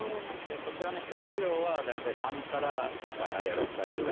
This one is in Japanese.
こちらの光治療は大体３から５回あるいは６回ぐらい。